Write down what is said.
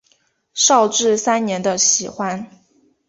绍治三年的喜欢。